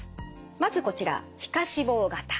まずこちら皮下脂肪型。